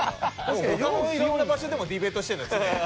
色んな場所でもディベートしてるんだ。